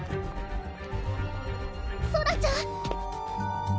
ソラちゃん！